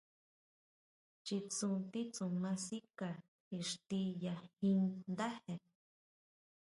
Chitsú titsuma sikáka ixti ya jín ndáje.